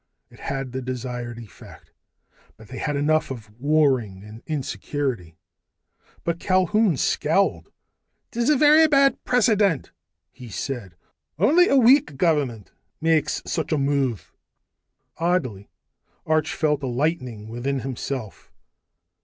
It had the desired effect; they had had enough of warring and insecurity. But Culquhoun scowled. "'Tis a vurra bad precedent," he said. "Only a weak government makes such a move." Oddly, Arch felt a lightening within himself.